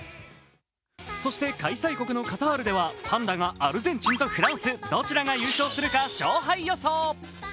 そして開催国のカタールでは、パンダがアルゼンチンとフランス、どちらが優勝するか勝敗予想。